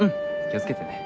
気をつけてね。